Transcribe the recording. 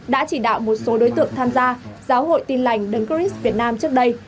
đã chỉ đạo một số đối tượng tham gia giáo hội tin lành đấng cris việt nam trước đây